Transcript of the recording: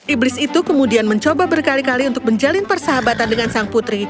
iblis itu kemudian mencoba berkali kali untuk menjalin persahabatan dengan sang putri